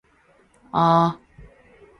あー。